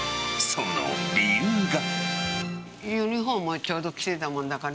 その理由が。